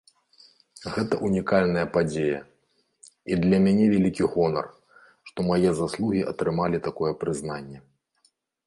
Гэта ўнікальная падзея, і для мяне вялікі гонар, што мае заслугі атрымалі такое прызнанне.